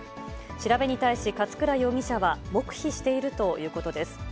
調べに対し勝倉容疑者は黙秘しているということです。